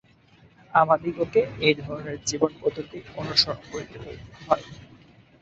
আমাদিগকে এই ধরনের জীবনপদ্ধতি অনুসরণ করিতে হয়।